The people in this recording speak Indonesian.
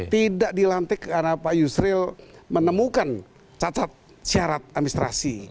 tidak dilantik karena pak yusril menemukan cacat syarat administrasi